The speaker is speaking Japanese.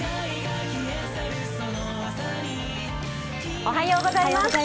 おはようございます。